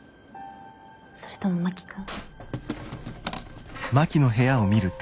それとも真木君？